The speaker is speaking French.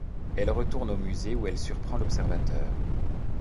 Elle retourne au musée où elle surprend l'observateur.